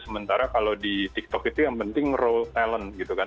sementara kalau di tiktok itu yang penting role talent gitu kan